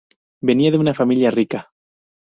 Venía de una rica familia.